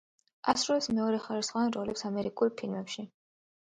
ასრულებს მეორეხარისხოვან როლებს ამერიკულ ფილმებში.